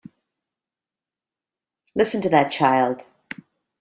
Listen to that child!